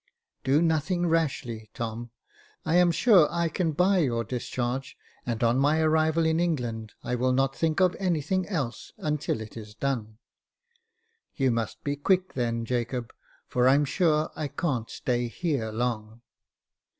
"Do nothing rashly, Tom. I am sure I can buy your discharge, and on my arrival in England I will not think of anything else until it is done." " You must be quick, then, Jacob, for I'm sure I can't stay here long."